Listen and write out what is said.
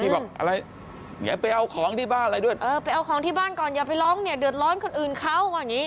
บอกอะไรอย่าไปเอาของที่บ้านอะไรด้วยเออไปเอาของที่บ้านก่อนอย่าไปร้องเนี่ยเดือดร้อนคนอื่นเขาว่าอย่างนี้